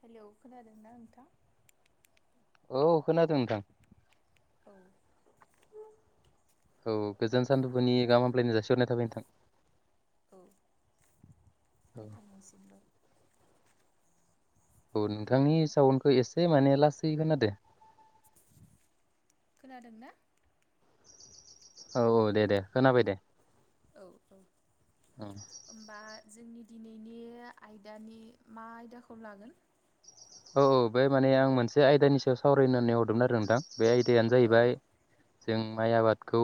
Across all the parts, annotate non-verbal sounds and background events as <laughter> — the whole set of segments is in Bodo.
हेलौ खोनादोंना नोंथां औ खोनादों नोंथां <unintelligible> औ गोजोन सान्जुफुनि गाहाम हामलायनाय जासिहरनाय थाबाय नोंथां औ औ नोंथांनिसिमबो औ नोंथांनि साउनखौ एसे माने लासै खोनादों खोनादों ना औ औ दे दे खोनाबाय दे औ औ ओं होमबा जोंनि दिनैनि आयदानि मा आयदाखौ लागोन औ औ बे माने आं मोनसे आयदानि सायाव सावरायनो होननानै हरदोंमोन आरो नोंथां बे आयदायानो औ जाहैबाय जों माइ आबादखौ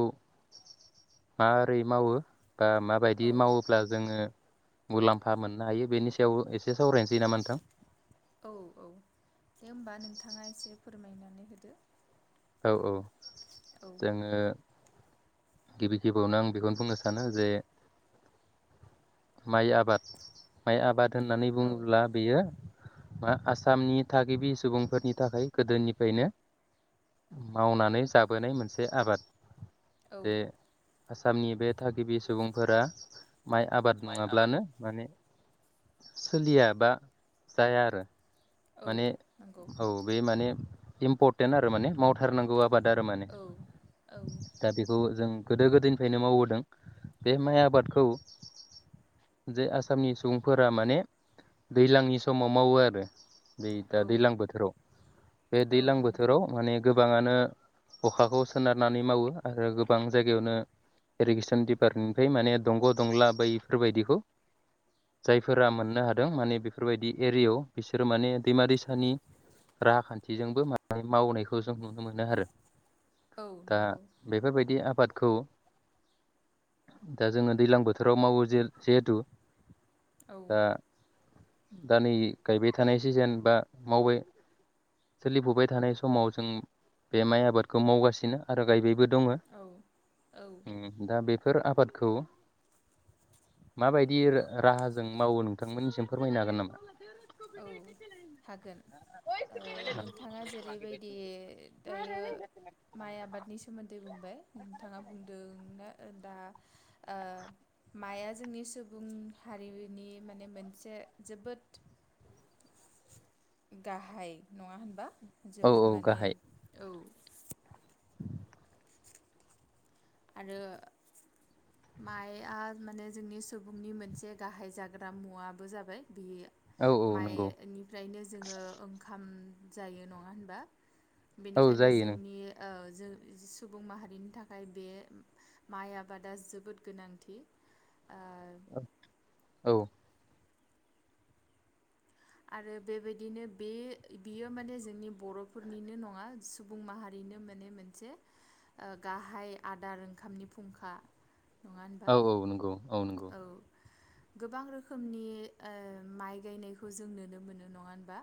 माबोरै मावो ओ बा माबायदि मावोब्ला जोङो मुलाम्फा मोननो हायो बेनि सायाव एसे सावरायनोसै नामा नोंथां औ औ दे होमबा नोंथाङा एसे फोरमायनानै होदो औ औ औ जोङो गिबि गिबियावनो आं बेखौनो बुंनो सानो जे माइ आबाद माइ आबाद होननानै औ बुङोब्ला बेयो मा आसामनि थागिबि सुबुंफोरनि थाखाय गोदोनिफ्रायनो मावनानै जाबोनाय मोनसे आबाद औ बे आसामनि बे थागिबि सुबुंफोरा माइ आबाद माइ आबाद नङाब्लानो माने सोलियाबा जाया आरो औ माने नंगौ औ बे माने इम्परटेन्ट आरो माने मावथारनांगौआ आबाद आरो माने औ औ दा बेखौ जों गोदो गोदायनिफ्रायनो मावबोदों बे माइ आबादखौ जे आसामनि सुबुंफोरा माने दैज्लांनि समाव मावो आरो बे दा औ दैज्लां बोथोराव बे औ दैज्लां नंगौ बोथोराव माने गोबाङानो अखाखौ सोनारनानै मावो आरो गोबां जायगायावनो इरिगेसन डिपार्टमेन्टनिफ्राय माने दंग' दंग्ला बैफोरबायदिखौ जायफोरा मोननो हादों माने बेफोरबायदि एरियायाव बिसोरो माने दैमा दैसानि राहाखान्थिजोंबो माने मावनायखौ जों नुनो मोनो आरो। औ दा नंगौ बेफोरबायदि आबाद खौ दा जोङो दैलां बोथोराव मावो जे जिहेथु औ। दा दा नै गायबाय थानाय सिजेन बा मावबाय सोलिफुबाय थानाय समाव जों बे माइ आबादखौ मावगासिनो आरो गायबायबो दङ' औ औ ओम दा बे फोर आबादखौ माबायदि रा राहाजों मावो नोंथांमोननिसिम फोरमायनो हागोन नामा? औ। हागोन ओ नोंथाङा जेरैबायदि दायो माइ आबादनि सोमोन्दै बुंबाय नोंथाङा बुंदोंना दा ओ माइआ जोंनि सुबुं हारिनि नि माने मोनसे जोबोद गाहाय नङा होनबा औ जोबोद औ माने गाहाय औ आरो माइआ माने जोंनि सुबुंनि मोनसे गाहाय जाग्रा मुवाबो जाबाय बे औ औ नंगौ माइनिफ्रायनो जोङो ओंखाम जायो नङा होनबा। औ बेनिखायनो जायो नों जोंनि ओ जों सुबुं माहारिनि थाखाय बे माइ आबादा जोबोद गोनांथि ओ <unintelligible> औ। आरो बेबायदिनो बे बियो माने जोंनि बर'फोरनिनो नङा सुबुं माहारिनो माने मोनसे ओ गाहाय आदार ओंखामनि फुंखा नङा होनबा औ औ नंगौ औ नंगौ। गोबां रोखोमनि ओ माइ गायनाय खौ जों नुनो मोनो नङा होनबा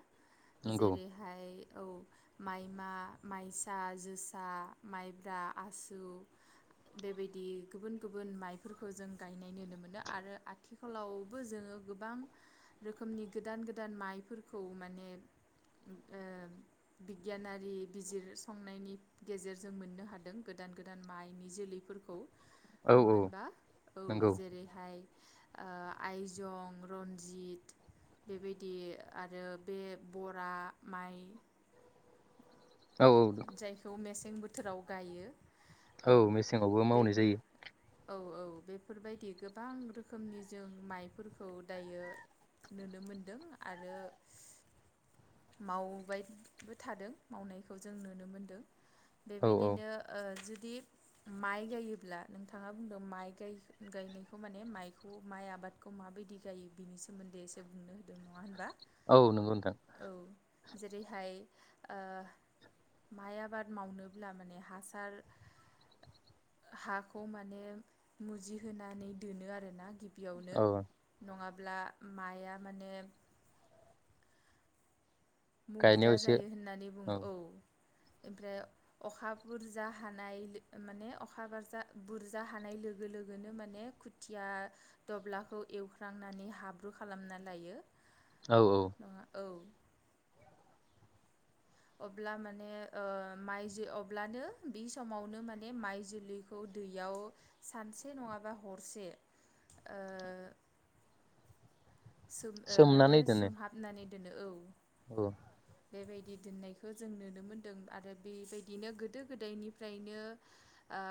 नंगौ जेरैहाय औ माइमा माइसा जोसा माइब्रा आसु बेबायदि गुबुन गुबुन माइफोरखौ जों गायनाय नुनो मोनो आरो आथिखालावबो जोङो गोबां रोखोमनि गोदान गोदान माइफोरखौ माने ओ बिगियानारि बिजिरसंनायनि गेजेरजों मोननो हादों गोदान गोदान माइनि जोलैफोरखौ। औ नङा औ होनबा औ नंगौ जेरैहाय ओ आइजं रन्जित बेबायदि आरो बे बरा माइ। औ औ जायखौ मेसें सें बोथोराव गायो। औ मेसेङावबो मावनाय बेफोर जायो। औ औ बेफोरबायदि गोबां रोखोमनि जों माइफोरखौ दायो नुनो मोनदों आरो मावबायबो थादों मावनायखौ जों नुनो मोनदों। औ औ बेबायदिनो ओ जुदि माइ गायोब्ला नोंथाङा बुंदों माइ गायनायखौ माने माइखौ माइ आबादखौ माबायदि गायो बिनि सोमोन्दै एसे बुंनो होदों नङा होनबा। औ नोंगौ नथां। औ जेरैहाय ओ माइ आबाद मावनोब्ला माने हासार हाखौ माने मुजिहोनानै दोनो आरोना। गिबियावनो औ नङा अब्ला माइआ माने गायनायाव मुगिरा एसे जायो होननानै बुङो औ। ओमफ्राय अखा बुरजा हानाय माने अखा बाजा बुरजा हानाय लोगो लोगोनो माने खुथिया दब्लाखौ एवख्रांनानै हाब्रु खालामना लायो। औ औ नङा औ अब्ला माने ओ माइ अब्लानो बे समावनो माने माइ जुलिखौ दैयाव सानसे नङाबा हरसे ओ सोम माने सोमनानै दोनो सोमहाबनानै बिदिनो औ। औ। बेबायदि दोननायखौ जों नुनो मोनदों आरो बेबायदिनो गोदो गोदायनिफ्रायनो ओ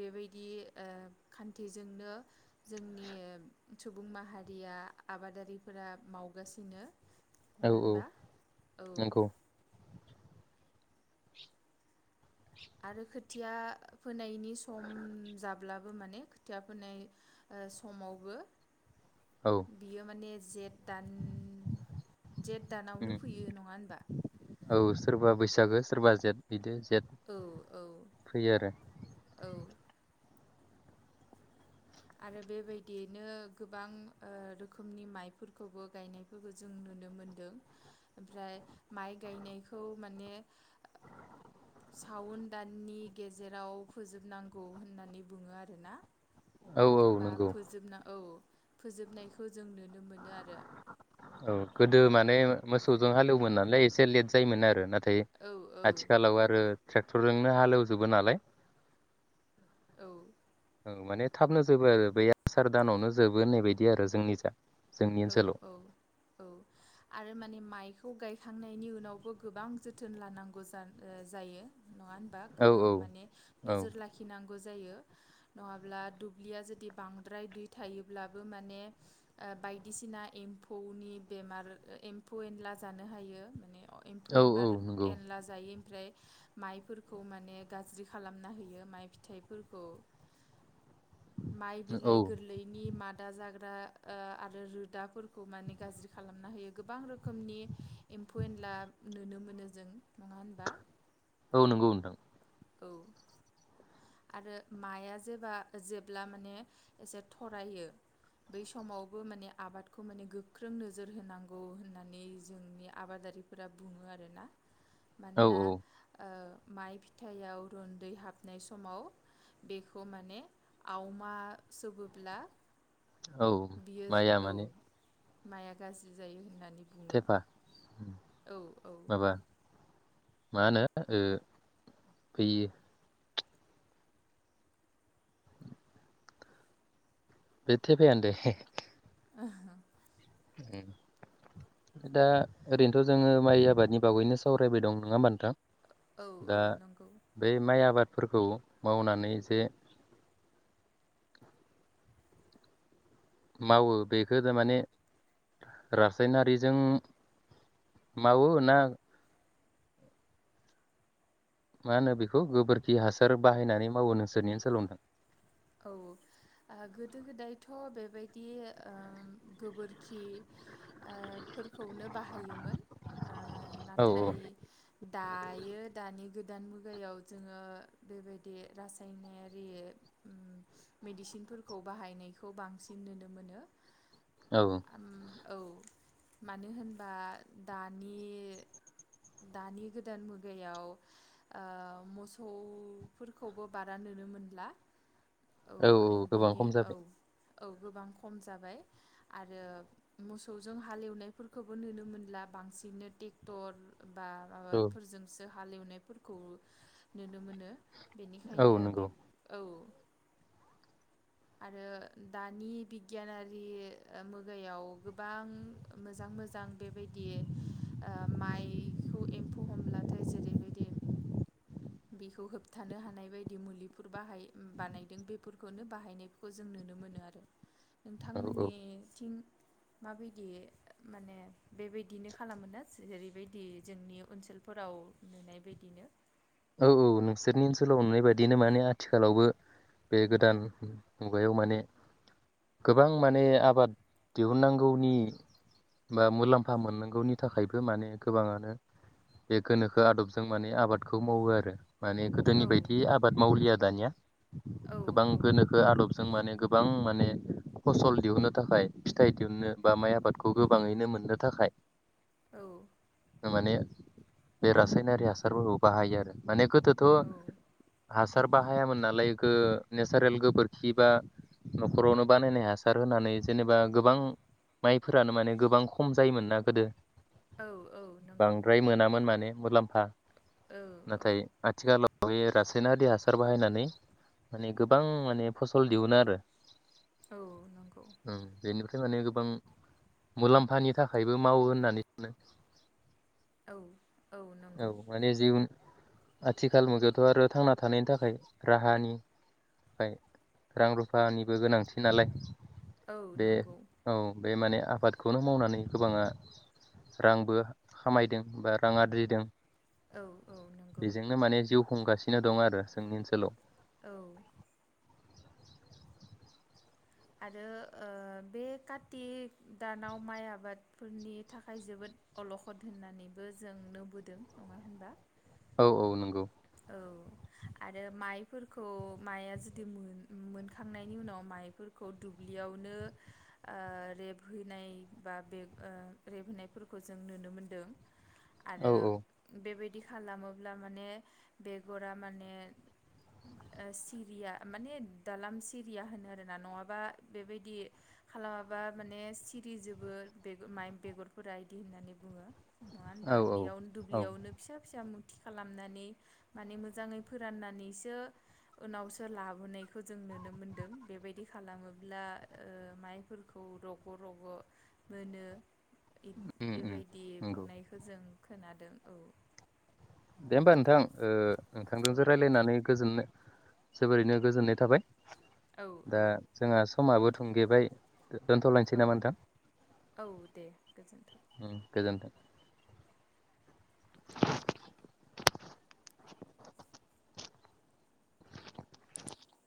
बेबायदि ओ खान्थिजोंनो जोंनि सुबुं माहारिया आबादारिफोरा मावगासिनो। औ औ नङाहोनबा? नंगौ। आरो खोथिया फोनायनि सम जाब्लाबो माने खोथिया फोनाय ओ समावबो औ बियो माने जेद दान जेद उम दानावनो फोयो नङा होनबा? औ सोरबा बैसागो सोरबा जेद बिदि जेद औ औ फैयो आरो। औ आरो बेबायदियैनो गोबां ओ रोखोमनि माइफोरखौबो गायनायफोरखौ जों नुनो मोनदों। ओमफ्राय माइ गायनायखौ माने सावोन दाननि गेजेराव फोजोबनांगौ होननानै बुङो आरोना। आरो औ बा नंगौ फोजोबना औ। फोजोबनायखौ जों नुनो मोनो आरो औ गोदो माने मोसौजों हाल एवोमोन नालाय एसे लेद जायोमोन आरो न थाय औ औ आथिखालाव आरो ट्रेक्टरजोंनो हाल एवजोबो नालाय औ औ माने थाबनो जोबो आरो बे आसार दानावनो जोबो होननाय बायदि आरो जोंनि जा जोंनि औ ओनसोलाव औ औ आरो माने माइखौ गायखांनायनि उनावबो गोबां जोथोन लानांगौ जान ओ जायो नंङा होनबा औ गोबां औ माने औ नोजोर लाखिनां गो जायो नङाब्ला दोब्लिया जोदि बांद्राय दै थायोब्लाबो माने ओ बाय दिसिना एम्फौनि बेमार एम्फौ एनला जानो हायो माने एम्फौ औ औ एम्बार नंगौ एनला जायो ओमफ्राय माइफोरखौ माने गाज्रि खालामना होयो माइ फिथाइफोरखौ माइ औ बिलाइ गोरलैनि मादा जागोन <unintelligible> आरो रोदाफोरखौ माने गाज्रि खालामना होयो गोबां रोखोमनि एम्फौ एनला नुनो मोनो जों नङा होनबा औ नंगौ नोंथां औ आरो माइया जेबा जेब्ला माने एसे थरायो बै समावबो माने आबादखौ माने गोख्रों नोजोर होनांगौ होननानै जोंनि आबादारिफोरा बुङो आरोना औ मानोना औ ओ माइ फिथायाव रुन्दै हाबनाय समाव बेखौ माने आवमा सोबोब्ला औ माइया माने माइया गाज्रि जायो होननानै बुङो थेफा औ औ माबा मा होनो ओ बैयो बे थेफायानोदे। ओहो उम दा ओरैनोथ' जोङो माइ आबादनि बागैनो सावरायबाय दं नङा होमबा नोंथां? औ औ दा नंगौ बे माइ आबाद। फोरखौ मावनानै जे मावो बेखौ थारमाने रासायनारिजों मावो ना मा होनो बेखौ गोबोरखि हासार बाहायनानै मावो नोंसोरनि ओनसोलाव नोथां औ बिदि गोबोरखि ओ फोरफोरखौनो बाहायोमोन। ओ औ नाथाय दायो दानि गोदो दान मुगायाव जोङो बेबायदि रासायनारि उम मेडिसिनफोरखौ बाहायनायखौ बांसिन नुनो मोनो। औ औ उम औ मानो होनबा दानि दानि गोदान मुगायाव ओ मोसौफोरखौबो बारा नुनो मोनला। औ औ गोबां बिनि खम औ जाबाय। औ गोबां खम जाबाय आरो मोसौजों हालेवनायफोरखौबो नुनो मोनला बांसिननो ट्रेक्टर बा औ माबाफोरजोंसो हालेवनायफोरखौ नुनो मोनो। औ बेनिखायनो नंगौ बे औ। आरो दानि बिगियानारि ओ मुगायाव गोबां मोजां मोजां बेबायदि माइखौ एम्फौ हमब्लाथाय जेरैबायदि बेखौ होबथानो हानाय बायदि मुलिफोर बाहाय बानायदों बेफोरखौनो बाहायनाय खौ जों नुनो मोनो आरो। औ नोंथांमोननिथिं। माबायदि माने बेबायदिनो खालामोना जेरैबायदि जोंनि ओनसोलफोराव नुनाय बायदिनो? औ औ नोंसोरनि ओनसोलाव नुनाय बायदिनो माने आथिखालावबो बे गोदान मुगायाव माने गोबां माने आबाद दिहुननांगौनि बा मुलाम्फा मोननांगौनि थाखायबो माने गोबाङानो बे गोनोखो आदबजों माने आबाद खौ मावो आरो। माने गोदोनि औ बायदि आबाद मावलिया। दानिया। औ गोबां औ गोनोखो आदबजों माने गोबां माने। फसल दिहुननो थाखाय फिथाइ दिहुननो बा माइ आबादखौ गोबाङैनो मोननो थाखाय औ। माने बे रासायनारि हासारफोरखौ बाहायो आरो माने। थ' हास औ हासार बाहायामोन नालाय इखो नेसारेल गोबोरखि बा न'खरावनो बानायनाय हासार होनानै जेनेबा गोबां माइफोरानो माने गोबां खम जायोमोननना गोदो। औ औ नंगौ बांद्राय मोनामोन माने मुलामफ हा औ औ नाथाय आथिखालाव बे रासायनारिया हार बाहायनानै माने गोबां माने फसल दिहुनो आरो औ नंगौ उम बेनिफ्राय माने गोबां मुलाम्फानि थाखायबो मावो होननानै सानो औ औ नंगौ इयुन आथिखाल मुगायावथ' आरो थांना थानायनि थाखाय राहानि थाखाय रां रुफानिबो गोनांथि नालाय औ बे नंगौ औ बे माने आबादखौनो मावनानै गोबाङा रांबो खामायदों बा रां आरजिदों औ औ नंगौ बेजोंनो माने जिउ खुंगासिनो बिनो दं आरो जोंनि ओनसोलाव औ आरो बे कारति दानाव माइ आबादफोरनि थाखाय जोबोद अलखद होननानैबो जों नुबोदों नङा होनबा औ औ नोंगौ औ आरो माइफोरखौ माया जुदि मोनखांनायनि उनाव माइफोरखौ दुब्लियावनो ओ रेबहैनाय बा बे रेबहोनायफोरखौ जों नुनो मोनदों औ आरो औ बेबायदि खालामोब्ला माने बेगरा माने सिरिया माने द्लाम सिरिया होनो आरोना नङाबा बेबायदि खालामाबा माने सिरिजोबो माइ बेगरफोरा इदि होननानै बुङो नङा होनबा औ औ बेयावनो औ दुब्लियावनो फिसा फिसा खालामनानै माने मोजाङै फोराननानैसो उनावसो लाबोनायखौ जों नुनो मोनदों बेबायदि खालामोब्ला ओ माइफोरखौ रग' रग' मोनो उम उम बेबायदि नंगौ बुंनायखौ जों खोनादों औ दे होमबा नोंथां ओ औ नोंथांजोजों रायलायनानै गोजोननाय जोबोरैनो गोजोननाय थाबाय औ औ दा जोंहा समाबो थुंगेबाय दोनथलायसै औ नामा नोंथां औ दे गोजोन्थों उम गोजोनथों